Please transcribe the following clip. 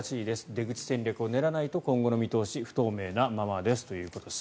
出口戦略を練らないと今後の見通し、不透明なままですということです。